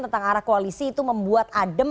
tentang arah koalisi itu membuat adem